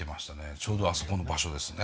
ちょうどあそこの場所ですね。